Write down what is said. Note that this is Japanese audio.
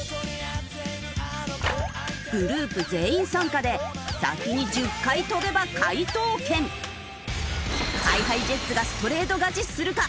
グループ全員参加で先に１０回跳べば解答権。ＨｉＨｉＪｅｔｓがストレート勝ちするか？